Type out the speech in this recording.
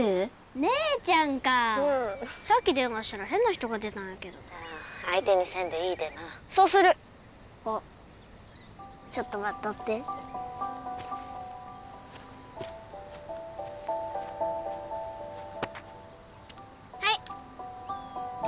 姉ちゃんか☎うんさっき電話したら変な人が出たんやけど☎ああ相手にせんでいいでなそうするあっちょっと待っとってはい誰？